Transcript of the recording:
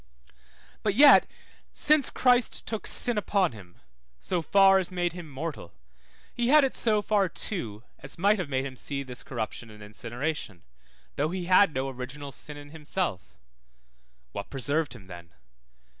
But yet since Christ took sin upon him, so far as made him mortal, he had it so far too as might have made him see this corruption and incineration, though he had no original sin in himself; what preserved him then?